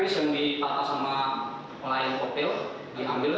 jadi sandbag piece yang dipakai oleh hotel diambil